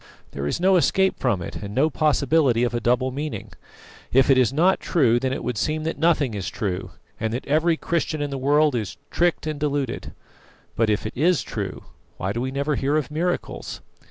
There is no escape from it, and no possibility of a double meaning. If it is not true, then it would seem that nothing is true, and that every Christian in the world is tricked and deluded. But if it is true, why do we never hear of miracles?